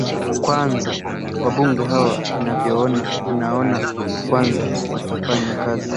i kwanza wambunge hawa ninavyoona inaona kwanza watafanya kazi